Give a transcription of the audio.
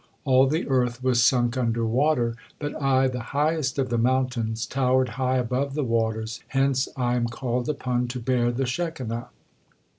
All the earth was sunk under water, but I, the highest of the mountains, towered high above the waters, hence I am called upon to bear the Shekinah."